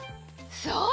そう！